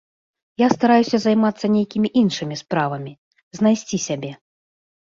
Я стараюся займацца нейкімі іншымі справамі, знайсці сябе.